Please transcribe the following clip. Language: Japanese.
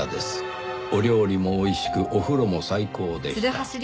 「お料理も美味しくお風呂も最高でした」